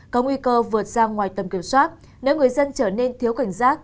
có nguy cơ vượt ra ngoài tầm kiểm soát nếu người dân trở nên thiếu cảnh giác